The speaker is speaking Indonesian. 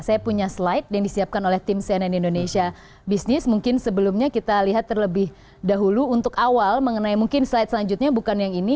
saya punya slide yang disiapkan oleh tim cnn indonesia business mungkin sebelumnya kita lihat terlebih dahulu untuk awal mengenai mungkin slide selanjutnya bukan yang ini